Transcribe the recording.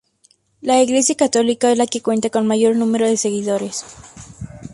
La Iglesia católica es la que cuenta con mayor número de seguidores.